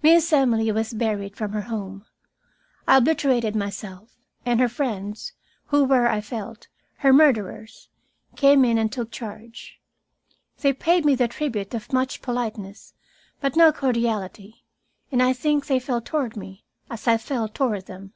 Miss Emily was buried from her home. I obliterated myself, and her friends, who were, I felt, her murderers, came in and took charge. They paid me the tribute of much politeness, but no cordiality, and I think they felt toward me as I felt toward them.